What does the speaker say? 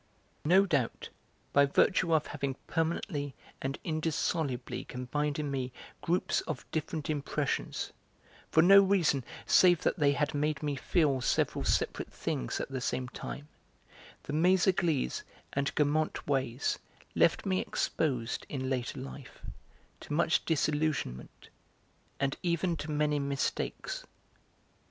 No doubt, by virtue of having permanently and indissolubly combined in me groups of different impressions, for no reason save that they had made me feel several separate things at the same time, the Méséglise and Guermantes 'ways' left me exposed, in later life, to much disillusionment, and even to many mistakes.